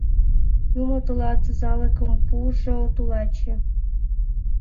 — Юмо тылат тазалыкым пуыжо, тулаче.